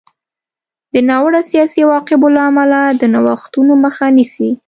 د ناوړه سیاسي عواقبو له امله د نوښتونو مخه نیسي.